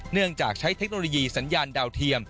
เนื่องจากใช้เทคโนโลยีสัญญาณดาวเทียม